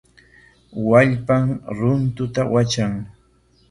Wallpam runtuta watran.